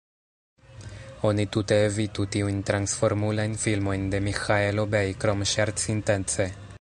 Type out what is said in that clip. Oni tute evitu tiujn Transformulajn filmojn de Miĥaelo Bej, krom ŝercintence.